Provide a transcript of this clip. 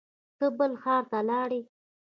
ته بل ښار ته لاړې